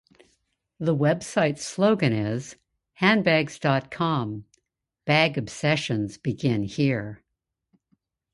The website's slogan is, "Handbags dot com: Bag Obsessions Begin Here".